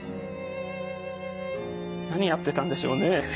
何やってたんでしょうね